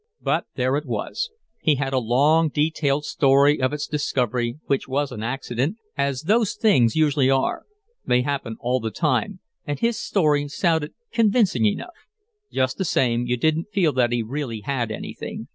But there it was. He had a long, detailed story of its discovery, which was an accident, as those things usually are. They happen all the time, and his story sounded convincing enough. Just the same, you didn't feel that he really had anything.